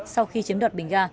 sau khi chiếm đoạt bình ga